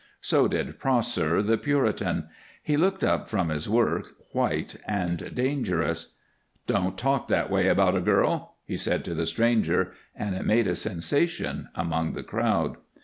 So did Prosser, the Puritan. He looked up from his work, white and dangerous. "Don't talk that way about a girl," said he to the stranger, and it made a sensation among the crowd.